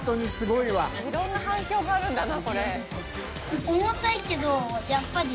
いろんな反響があるんだな。